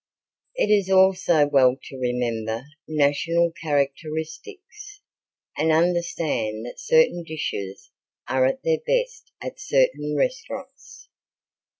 It is also well to remember national characteristics and understand that certain dishes are at their best at certain restaurants.